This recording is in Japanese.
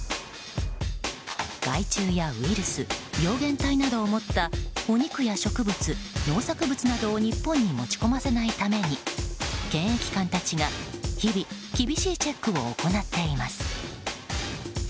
害虫やウイルス病原体などを持ったお肉や植物、農作物などを日本に持ち込ませないために検疫官たちが日々厳しいチェックを行っています。